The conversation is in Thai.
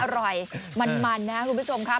อร่อยมันนะครับคุณผู้ชมครับ